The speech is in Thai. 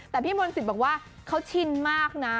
แต่พี่มนต์สิทธิ์บอกว่าเขาชินมากนะ